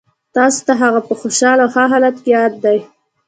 تاسو ته هغه په خوشحاله او ښه حالت کې یاد دی